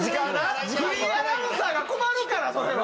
フリーアナウンサーが困るからそれは。